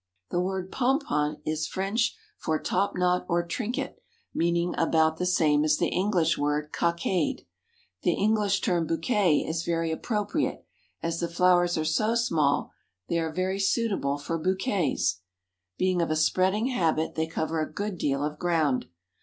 The word Pompon is French for topknot or trinket, meaning about the same as the English word cockade. The English term Bouquet is very appropriate, as the flowers are so small they are very suitable for bouquets. Being of a spreading habit, they cover a good deal of ground.